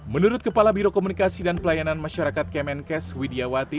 menurut kepala biro komunikasi dan pelayanan masyarakat kemenkes widiawati